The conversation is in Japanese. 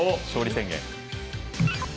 勝利宣言。